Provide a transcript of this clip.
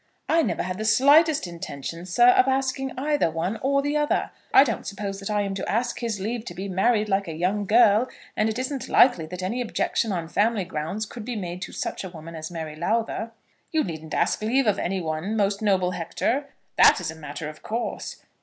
"I never had the slightest intention, sir, of asking either one or the other. I don't suppose that I am to ask his leave to be married, like a young girl; and it isn't likely that any objection on family grounds could be made to such a woman as Mary Lowther." "You needn't ask leave of any one, most noble Hector. That is a matter of course.